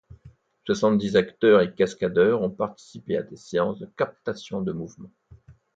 Soixante-dix acteurs et cascadeurs ont participé à des séances de captation de mouvements.